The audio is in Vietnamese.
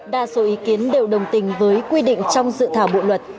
đa số ý kiến đều đồng tình với quy định trong dự thảo bộ luật